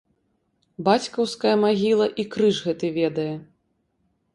Бацькаўская магіла і крыж гэты ведае!